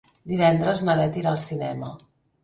Divendres na Beth irà al cinema.